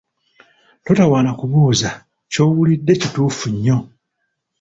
Totawaana kubuuza kyowulidde kituufu nnyo.